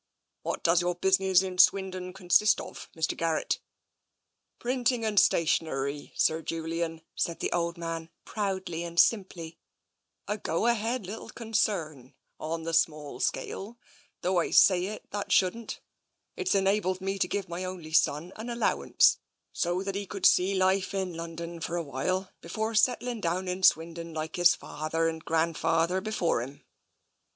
" What does your business in Swindon consist of, Mr. Garrett?" " Printing and stationery, Sir Julian," said the old man, proudly and simply. " A go ahead little con 2i8 TENSION cem on the small scale, though I say it that shouldn't. It's enabled me to give my only son an allowance, so that he could see life in London for a while before settling down in Swindon like his father and grand father before him."